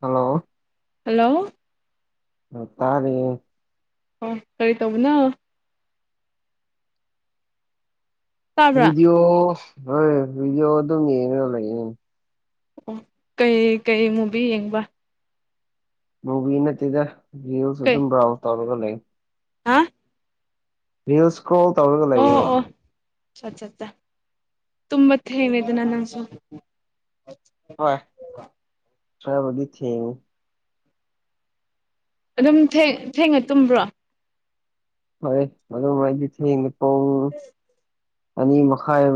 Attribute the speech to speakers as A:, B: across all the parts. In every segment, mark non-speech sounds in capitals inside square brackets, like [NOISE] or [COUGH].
A: hello
B: hello
A: ꯎꯝ ꯇꯥꯔꯤꯌꯦ
B: ꯑ ꯀꯔꯤ ꯇꯧꯕꯅꯣ ꯇꯥꯕ꯭ꯔꯥ
A: ꯚꯤꯗꯤꯌꯣ ꯍꯣꯏ ꯚꯤꯗꯤꯌꯣ ꯑꯗꯨꯝ ꯌꯦꯡꯔꯒ ꯂꯩꯔꯤꯅꯤ
B: ꯑꯣ ꯀꯩꯀꯩ ꯃꯨꯕꯤ ꯌꯦꯡꯕ
A: ꯃꯨꯕꯤ ꯅꯠꯇꯦꯗ ꯔꯤꯜꯁ
B: ꯀꯩ
A: ꯑꯗꯨꯝ ꯕ꯭ꯔꯥꯎꯁ ꯇꯧꯔꯒ ꯂꯩ
B: ꯍꯥ
A: ꯔꯤꯜꯁ ꯏꯁꯀ꯭ꯔꯣꯜ ꯇꯧꯔꯒ ꯂꯩꯌꯦꯕ
B: ꯆꯥꯠ ꯆꯠ ꯆꯥ ꯇꯨꯝꯕ ꯊꯦꯡꯔꯦꯗꯅ ꯅꯪꯁꯨ
A: ꯍꯣꯏ ꯈꯔꯕꯨꯗꯤ ꯊꯦꯡꯉꯦ
B: ꯑꯗꯨꯝ ꯊꯦꯡ ꯊꯦꯡꯅ ꯇꯨꯝꯕ꯭ꯔꯣ
A: ꯍꯣꯏ ꯑꯗꯨꯝ ꯑꯩꯗꯤ ꯊꯦꯡꯉꯦ ꯑꯅꯤ ꯃꯈꯥꯏ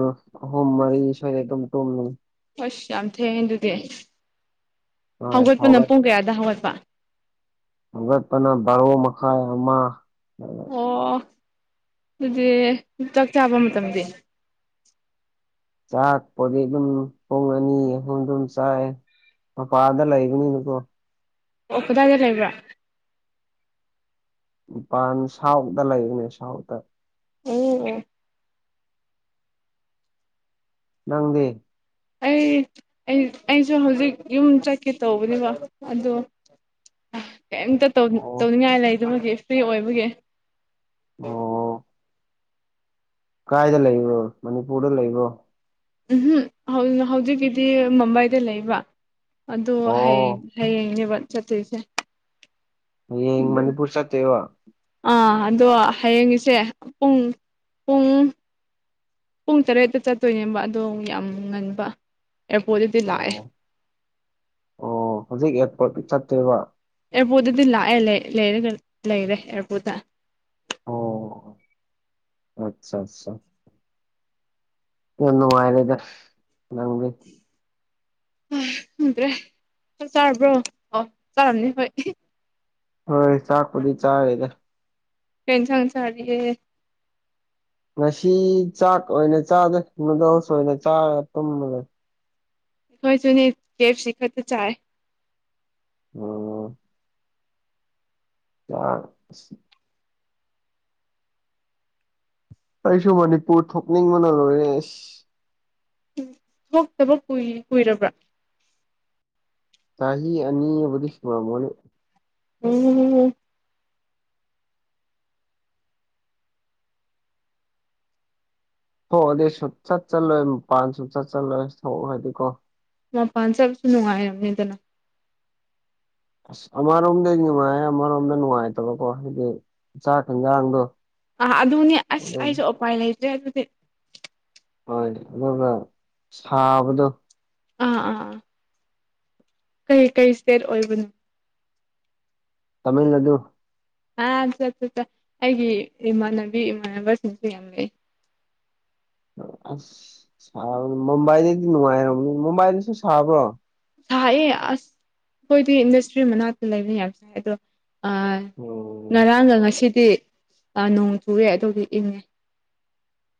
A: ꯑꯍꯨꯝ ꯃꯔꯤ ꯁꯋꯥꯏꯗ ꯑꯗꯨꯨꯝ ꯇꯨꯝꯃꯦ
B: ꯑꯁ ꯌꯥꯝ ꯊꯦꯡꯉꯦ ꯑꯗꯨꯗꯤ
A: ꯍꯣꯏ
B: ꯍꯧꯒꯠꯄꯅ
A: ꯍꯧꯒꯠ
B: ꯄꯨꯡ ꯀꯌꯥꯗ ꯍꯧꯒꯠꯄ
A: ꯍꯧꯒꯠꯄꯅ ꯕꯔꯣ ꯃꯈꯥꯏ ꯑꯃ
B: ꯑꯣ ꯑꯗꯨꯗꯤ ꯆꯥꯛ ꯆꯥꯕ ꯃꯇꯥꯝꯗꯤ
A: ꯆꯥꯛꯄꯣꯗꯤ ꯑꯗꯨꯝ ꯄꯨꯡ ꯑꯅꯤ ꯑꯍꯨꯝ ꯑꯗꯨꯝ ꯆꯥꯏ ꯃꯄꯥꯜꯗ ꯂꯩꯕꯅꯤꯅꯀꯣ
B: ꯑꯣ ꯀꯗꯥꯏꯗ ꯂꯩꯕ꯭ꯔꯥ
A: ꯃꯄꯥꯟ ꯁꯥꯎꯗ ꯂꯩꯕꯅꯦ ꯁꯥꯎꯠꯇ
B: ꯑꯣ ꯑꯣ
A: ꯅꯪꯗꯤ
B: ꯑꯩ ꯑꯩꯁꯨ ꯍꯧꯖꯤꯛ ꯌꯨꯝ ꯆꯥꯠꯀꯦ ꯇꯧꯕꯅꯦꯕ ꯑꯗꯣ ꯀꯩꯝꯇ ꯇꯧ
A: ꯑꯣ
B: ꯇꯧꯅꯤꯡꯉꯥꯏ ꯂꯩꯇꯕꯒꯤ ꯐ꯭ꯔꯤ ꯑꯣꯏꯕꯒꯤ [INAUDIBLE]
A: ꯑꯣ ꯀꯥꯏꯗ ꯂꯩꯕ꯭ꯔꯣ ꯃꯅꯤꯄꯨꯔꯗ ꯂꯩꯕ꯭ꯔꯣ
B: ꯎꯝꯍꯝ ꯍꯧꯖꯤꯛꯀꯤꯗꯤ ꯃꯨꯝꯕꯥꯏꯗ ꯂꯩꯕ ꯑꯗꯨ ꯍꯌꯦꯡ
A: ꯑꯣ
B: ꯍꯌꯦꯡꯅꯦꯕ ꯆꯥꯠꯇꯣꯏꯁꯦ
A: ꯍꯌꯦꯡ ꯃꯅꯤꯄꯨꯔ ꯆꯥꯠꯇꯣꯏꯕ
B: ꯑꯥ ꯑꯗꯣ ꯍꯌꯦꯡꯉꯤꯁꯦ ꯄꯨꯡ ꯄꯨꯡ ꯄꯨꯡ ꯇꯔꯦꯠꯇ ꯆꯥꯠꯇꯣꯏꯅꯦꯕ ꯑꯗꯣ ꯌꯥꯝ ꯉꯥꯟꯕ ꯑꯦꯔꯄꯣꯠꯇꯗꯤ ꯂꯥꯛꯑꯦ
A: ꯑꯣ ꯄꯣꯠꯇ ꯆꯥꯠꯇꯣꯏꯕ
B: ꯑꯦꯌꯥꯔꯄꯣꯠꯇꯗꯤ ꯂꯥꯛꯑꯦ ꯂꯩꯔ ꯂꯩꯔꯒ ꯂꯩꯔꯦ ꯑꯦꯌꯥꯔꯄꯣꯠꯇ
A: ꯑꯣ ꯑꯆꯥ ꯑꯆꯥ ꯌꯥꯝ ꯅꯨꯡꯉꯥꯏꯔꯦꯗ ꯅꯪꯗꯤ
B: ꯪꯈꯪꯗ꯭ꯔꯦ ꯆꯥꯛ ꯆꯥꯔꯕ꯭ꯔꯣ ꯑꯣ ꯆꯥꯔꯝꯅꯤ ꯍꯣꯏ
A: ꯍꯣꯏ ꯆꯥꯛꯄꯨꯗꯤ ꯆꯥꯔꯦꯗ
B: ꯀꯩ ꯏꯟꯁꯥꯡ ꯆꯥꯔꯤꯒꯦ
A: ꯉꯁꯤ ꯆꯥꯛ ꯑꯣꯏꯅ ꯆꯥꯗꯦ ꯅꯨꯗꯥꯜꯁ ꯑꯣꯏꯅ ꯆꯥꯔ ꯇꯨꯝꯃ ꯂꯩ
B: ꯑꯩꯈꯣꯏꯁꯨꯅꯤ ꯀꯦꯞꯁꯤ ꯈꯛꯇ ꯆꯥꯏ
A: ꯑꯣ [UNINTELLIGIBLE] ꯑꯩꯁꯨ ꯃꯅꯤꯄꯨꯔ ꯊꯣꯛꯅꯤꯡꯕꯅ ꯂꯣꯏꯔꯦ ꯏꯁ
B: ꯊꯣꯛꯇꯕ ꯀꯨꯏ ꯀꯨꯏꯔꯕ꯭ꯔꯥ
A: ꯆꯍꯤ ꯑꯅꯤꯕꯨꯗꯤ ꯁꯨꯔꯝꯃꯅꯤ
B: ꯎꯝ
A: ꯊꯣꯛꯑꯗꯤ ꯁꯨꯡꯆꯥꯠ ꯆꯥꯠꯂꯣꯏ ꯃꯄꯥꯟ ꯁꯪꯥꯨꯡꯆꯥꯠ ꯆꯥꯠꯂꯣꯏ ꯊꯣꯛꯑꯗꯤ ꯀꯣ
B: ꯃꯄꯥꯟ ꯆꯥꯠꯄ ꯅꯨꯡꯉꯥꯏꯕꯅꯤꯗꯅ
A: ꯑꯁ ꯑꯃꯔꯣꯝꯗꯗꯤ ꯅꯨꯡꯉꯥꯏ ꯑꯃꯔꯣꯝꯗ ꯅꯨꯡꯉꯥꯏꯇꯕꯀꯣ ꯍꯥꯏꯗꯤ ꯆꯥꯛ ꯏꯟꯖꯥꯡꯗꯣ
B: ꯑꯥ ꯑꯗꯨꯅꯤ ꯑꯁ ꯑꯩꯁꯨ ꯎꯄꯥꯏ ꯂꯩꯇ꯭ꯔꯦ ꯑꯗꯨꯗꯤ
A: ꯍꯣꯏ ꯑꯗꯨꯒ ꯁꯥꯕꯗꯣ
B: ꯑꯥ ꯑꯥ ꯑꯥ ꯀꯩ ꯀꯩ ꯁ꯭ꯇꯦꯠ ꯑꯣꯏꯕꯅꯣ
A: ꯇꯥꯃꯤꯜꯅꯥꯗꯨ
B: ꯑꯥ ꯆꯠ ꯆꯠ ꯆꯥ ꯑꯩꯒꯤ ꯏꯃꯥꯟꯅꯕꯤ ꯏꯃꯥꯟꯅꯕꯁꯤꯡꯁꯨ ꯌꯥꯝ ꯂꯩ [INAUDIBLE]
A: ꯑꯁ ꯁꯥꯕ ꯃꯨꯝꯕꯥꯏꯗꯗꯤ ꯅꯨꯡꯉꯥꯏꯔꯝ ꯃꯨꯝꯕꯥꯏꯗꯁꯨ ꯁꯥꯕ꯭ꯔꯣ
B: ꯁꯥꯏꯑꯦ ꯑꯁ ꯑꯈꯣꯏꯗꯤ ꯏꯟꯗꯁꯇ꯭ꯔꯤ ꯃꯅꯥꯛꯇ ꯂꯩꯕꯅꯦ ꯌꯥꯝꯕ ꯁꯥꯏ ꯑꯗꯣ ꯑꯥ
A: ꯎꯝ
B: ꯉꯔꯥꯡꯒ ꯉꯁꯤꯗꯤ ꯅꯣꯡ ꯆꯨꯔꯦ ꯑꯗꯨꯒꯤ ꯏꯪꯉꯦ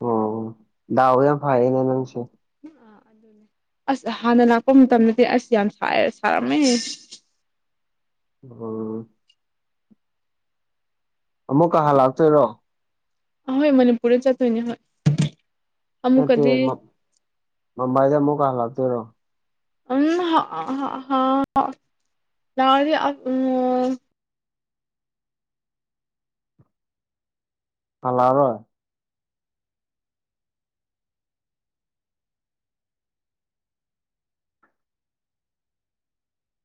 A: ꯑꯣ ꯗꯥꯎ ꯌꯥꯝ ꯐꯥꯌꯦ ꯅꯦ ꯅꯪꯁꯦ
B: ꯑꯥ ꯑꯗꯨꯅꯦ ꯑꯁ ꯍꯥꯟꯅ ꯂꯥꯛꯄ ꯃꯇꯝꯗꯗꯤ ꯑꯁ ꯌꯥꯝ ꯁꯥꯏ ꯁꯥꯔꯝꯃꯦ
A: ꯑꯣ ꯑꯃꯨꯛꯀ ꯍꯂꯥꯛꯇꯣꯏꯔꯣ
B: ꯑꯍꯣꯏ ꯃꯅꯤꯄꯨꯔꯗ ꯆꯠꯇꯣꯏꯅꯦ ꯍꯣꯏ
A: ꯅꯠꯇꯦ
B: ꯑꯃꯨꯛꯀꯗꯤ
A: ꯃꯝꯕꯥꯏꯗ ꯑꯃꯨꯛ ꯀ ꯂꯥꯛꯇꯣꯢꯔꯣ
B: ꯎꯝ ꯍ-ꯍ-ꯍ-ꯍ ꯂꯑꯣꯢꯗꯤ ꯑ [UNINTELLIGIBLE]
A: ꯍꯂꯥꯔꯣꯢ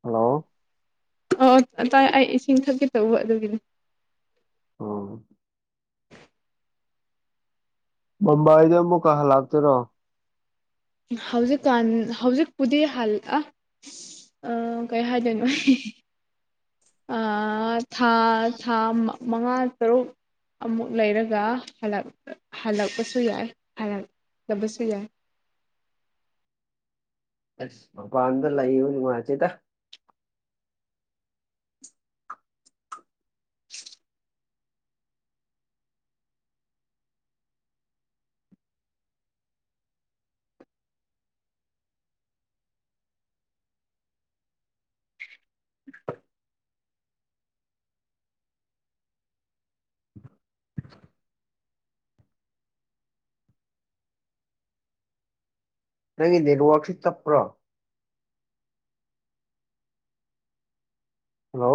A: ꯍꯜꯂꯣ
B: ꯑꯣ ꯇꯥꯏ ꯑꯩ ꯏꯁꯤꯡ ꯊꯛꯀꯦ ꯇꯧꯕ ꯑꯗꯨꯒꯤꯅꯦ
A: ꯑꯣ ꯃꯝꯕꯥꯏꯗ ꯑꯃꯨꯛ ꯀꯥ ꯍꯂꯥꯛꯇꯣꯢꯔꯣ
B: ꯍꯧꯖꯤꯛꯀꯥꯟ ꯍꯧꯖꯤꯛꯄꯨꯗꯤ ꯍꯜ ꯑꯥ ꯀꯩ ꯍꯥꯏꯗꯣꯏꯅꯣ ꯑꯩ ꯍꯥꯍꯥ [INAUDIBLE] ꯑꯥ ꯊꯥ ꯊꯥ ꯃꯉꯥ ꯇꯔꯨꯛ ꯑꯃꯨꯛ ꯂꯩꯔꯒ ꯍꯜꯂꯛꯄꯁꯨ ꯌꯥꯏ ꯇꯕꯁꯨ ꯌꯥꯢ
A: ꯑꯁ ꯃꯄꯥꯟꯗ ꯂꯩꯕ ꯅꯨꯡꯉꯥꯢꯇꯦꯗ ꯅꯪꯒꯤ ꯅꯦꯠꯋꯥꯛꯁꯤ ꯇꯄ꯭ꯔꯣ ꯍꯜꯂꯣ